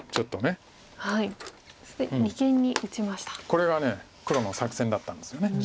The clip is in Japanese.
これが黒の作戦だったんですよね。